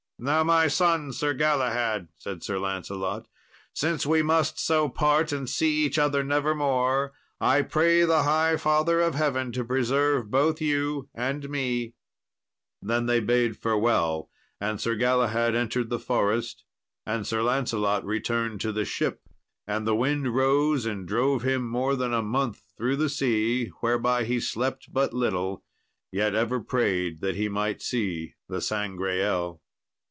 "Now, my son, Sir Galahad," said Sir Lancelot, "since we must so part and see each other never more, I pray the High Father of Heaven to preserve both you and me." Then they bade farewell, and Sir Galahad entered the forest, and Sir Lancelot returned to the ship, and the wind rose and drove him more than a month through the sea, whereby he slept but little, yet ever prayed that he might see the Sangreal.